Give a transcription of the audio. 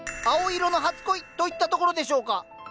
青色の初恋といったところでしょうか？